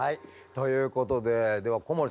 ということででは小森さん